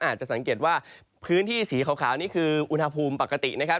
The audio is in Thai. อาจจะสังเกตว่าพื้นที่สีขาวนี่คืออุณหภูมิปกตินะครับ